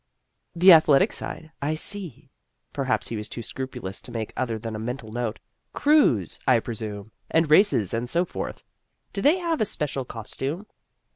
"The athletic side? I see" perhaps he was too scrupulous to make other than a mental note " crews, I presume, and races, and so forth. Do they have a special costume?"